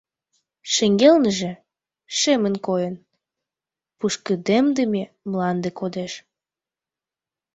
Шеҥгелныже, шемын койын, пушкыдемдыме мланде кодеш.